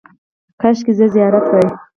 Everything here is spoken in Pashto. – کاشکې زه زیارت وای.